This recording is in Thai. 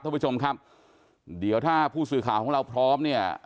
ท่านผู้ชมครับเดี๋ยวถ้าผู้สื่อข่าวของเราพร้อมเนี่ย